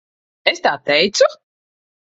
Es tā teicu?